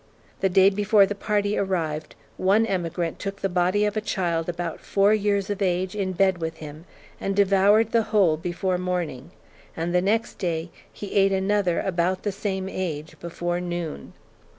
The day before the party arrived, one emigrant took the body of a child about four years of age in bed with him and devoured the whole before morning; and the next day he ate another about the same age, before noon.